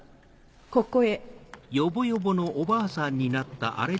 ここへ。